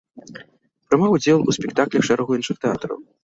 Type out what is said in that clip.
Прымаў удзел у спектаклях шэрагу іншых тэатраў.